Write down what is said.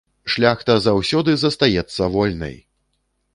Шляхта заўсёды застаецца вольнай!